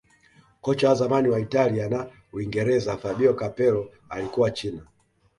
kocha wa zamani wa italia na uingereza fabio capello alikuwa china